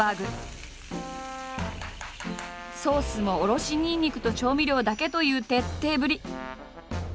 ソースもおろしにんにくと調味料だけという徹底ぶり。